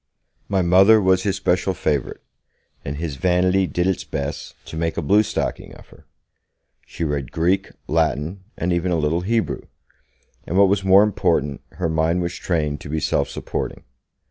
My Mother was his special favourite, and his vanity did its best to make a bluestocking of her. She read Greek, Latin and even a little Hebrew, and, what was more important, her mind was trained to be self supporting.